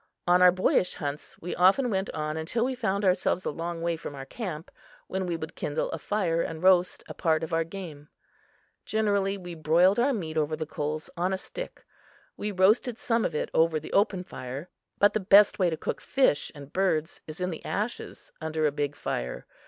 On our boyish hunts, we often went on until we found ourselves a long way from our camp, when we would kindle a fire and roast a part of our game. Generally we broiled our meat over the coals on a stick. We roasted some of it over the open fire. But the best way to cook fish and birds is in the ashes, under a big fire.